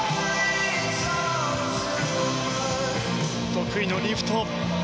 得意のリフト。